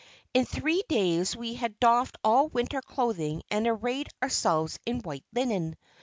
In three days we had doffed all winter clothing and arrayed ourselves in white linen.